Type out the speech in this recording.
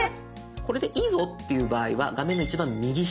「これでいいぞ」っていう場合は画面の一番右下。